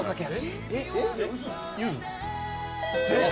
正解。